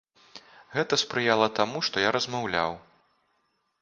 Гэта спрыяла таму, што я размаўляў.